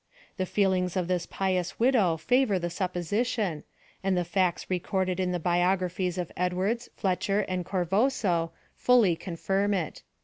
The feelings of this piouf widow favor the supposition, and the facts recorded in the biog raphies of Edwards Fletcher and Corvosso, fully confirm it.